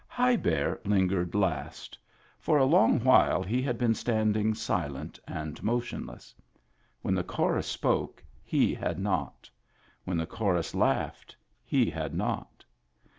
High Bear lingered last. For a long while he had been standing silent and motionless. When the chorus spoke he had not; when the chorus laughed he had not.